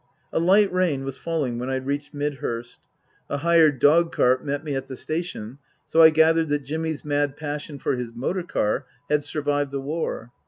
A light rain was falling when I reached Midhurst. A hired dog cart met me at the station, so I gathered that Jimmy's mad passion for his motor car had survived the war.